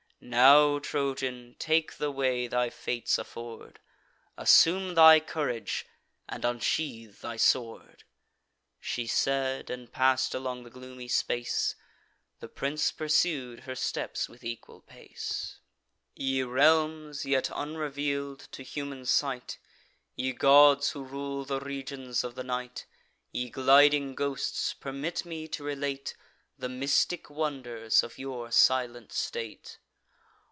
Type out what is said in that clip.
Now, Trojan, take the way thy fates afford; Assume thy courage, and unsheathe thy sword." She said, and pass'd along the gloomy space; The prince pursued her steps with equal pace. Ye realms, yet unreveal'd to human sight, Ye gods who rule the regions of the night, Ye gliding ghosts, permit me to relate The mystic wonders of your silent state!